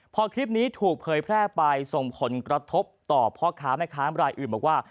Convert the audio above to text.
พอคลิปนี้ถูกเผยแพร่ไปส่งผลกระทบต่อพ่อค้าแม่ค้ารายอื่นบอกว่า